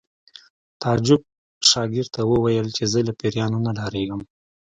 تعجب شاګرد ته وویل چې زه له پیریانو نه ډارېږم